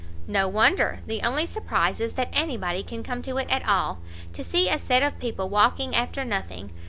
"No wonder! the only surprise is that any body can come to it at all. To see a set of people walking after nothing!